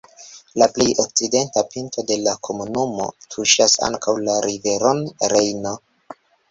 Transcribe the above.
La plej okcidenta pinto de la komunumo tuŝas ankaŭ la riveron Rejno.